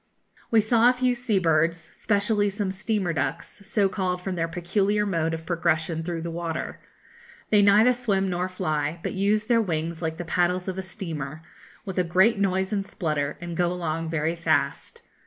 We saw a few sea birds, specially some 'steamer ducks,' so called from their peculiar mode of progression through the water. They neither swim nor fly, but use their wings like the paddles of a steamer, with a great noise and splutter, and go along very fast.